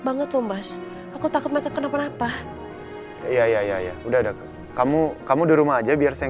banget lo mas aku takut mereka kenapa kenapa ya ya ya udah kamu kamu di rumah aja biar saya